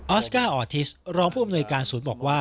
อสการ์ออทิสรองผู้อำนวยการศูนย์บอกว่า